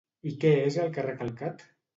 I què és el que ha recalcat?